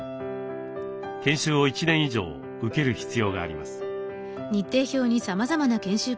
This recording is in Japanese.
研修を１年以上受ける必要があります。